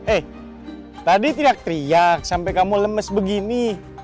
eh tadi teriak teriak sampai kamu lemes begini